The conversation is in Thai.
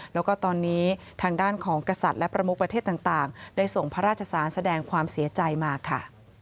แล้วก็ตอนนี้ทางด้านของกษัตริย์และประมุกประเทศต่างได้ส่งพระราชสารแสดงความเสียใจมาค่ะ